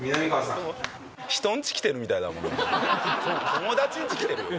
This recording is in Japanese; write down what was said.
友達んち来てるよ